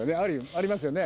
ありますよね